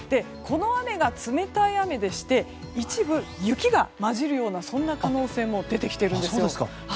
この雨が冷たい雨でして一部、雪が交じるような可能性も出てきているんです。